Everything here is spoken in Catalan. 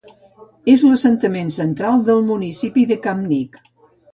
És l'assentament central del municipi de Kamnik.